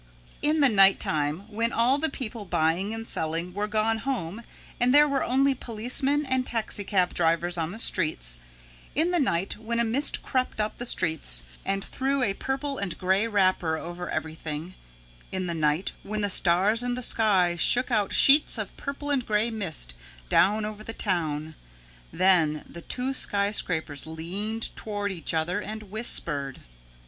In the night time when all the people buying and selling were gone home and there were only policemen and taxicab drivers on the streets, in the night when a mist crept up the streets and threw a purple and gray wrapper over everything, in the night when the stars and the sky shook out sheets of purple and gray mist down over the town, then the two skyscrapers leaned toward each other and whispered.